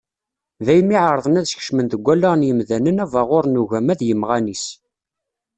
Daymi i εerrḍen ad skecmen deg wallaɣ n yimdanen abaɣur n ugama d yimɣan-is.